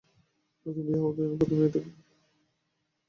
নতুন বিয়ে হওয়া মেয়েরা প্রথম দিকে ঘোমটা পরে।